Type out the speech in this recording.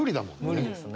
無理ですね。